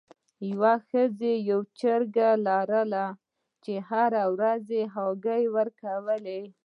یوې ښځې یوه چرګه لرله چې هره ورځ یې هګۍ ورکوله.